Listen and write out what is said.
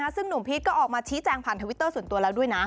ซึ่งหนุ่มพีชก็ออกมาชี้แจงผ่านทวิตเตอร์ส่วนตัวแล้วด้วยนะ